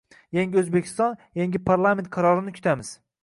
Yangi O'zbekiston - Yangi Parlament qarorini kutamiz